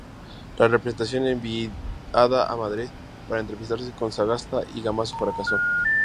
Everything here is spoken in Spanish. La representación enviada a Madrid para entrevistarse con Sagasta y Gamazo fracasó.